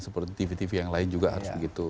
seperti tv tv yang lain juga harus begitu